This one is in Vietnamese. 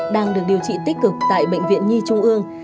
đang được điều trị tích cực tại bệnh viện nhi trung ương